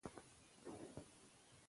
تعلیم به ژوند ښه کړي.